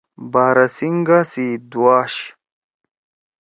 باراسِنگا سی دُوآش